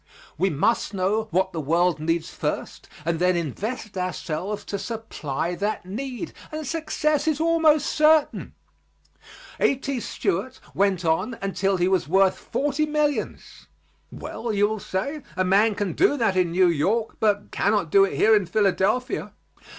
We must know what the world needs first and then invest ourselves to supply that need, and success is almost certain. A.T. Stewart went on until he was worth forty millions. "Well," you will say, "a man can do that in New York, but cannot do it here in Philadelphia."